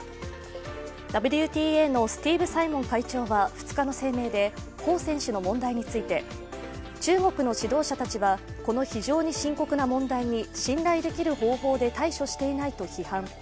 ＷＴＡのスティーブ・サイモン会長は２日の声明で彭選手の問題について中国の指導者たちはこの非常に深刻な問題に信頼できる方法で対処していないと批判。